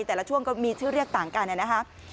แต่ละช่วงก็มีชื่อเรียกต่างกันนะครับ